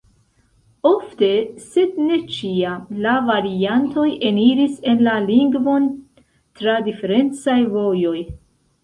Ofte, sed ne ĉiam, la variantoj eniris en la lingvon tra diferencaj vojoj.